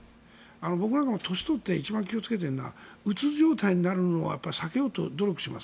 僕なんかも年を取って一番気をつけているのはうつ状態になるのを避けようと努力します。